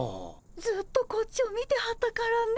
ずっとこっちを見てはったからね。